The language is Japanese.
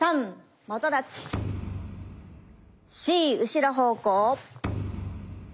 ４後ろ方向。